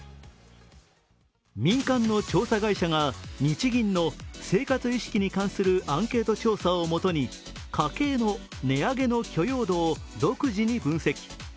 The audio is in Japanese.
民間の調査会社が日銀の生活意識に関するアンケート調査を元に家計の値上げの許容度を独自に分析。